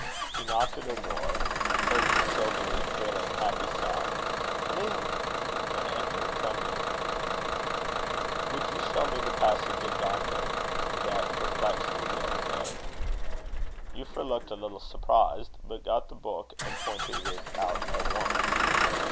He knocked at her door, heard the silvery, thrilling, happy sound, "Come in;" and entered trembling. "Would you show me the passage in Dante that perplexed you the other day?" Euphra looked a little surprised; but got the book and pointed it out at once.